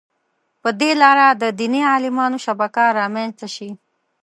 په دې لاره د دیني عالمانو شبکه رامنځته شي.